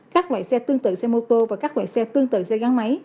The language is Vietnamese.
các loại xe tương tự xe mô tô và các loại xe tương tự xe gắn máy